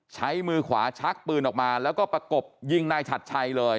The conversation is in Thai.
ใช้มือขวาชักปืนออกมาแล้วก็ประกบยิงนายฉัดชัยเลย